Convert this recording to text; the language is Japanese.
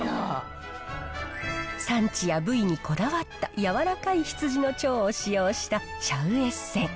産地や部位にこだわった柔らかい羊の腸を使用したシャウエッセン。